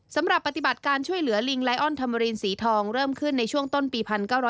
สำหรับปฏิบัติการช่วยเหลือลิงไลออนธรรมรีนสีทองเริ่มขึ้นในช่วงต้นปี๑๙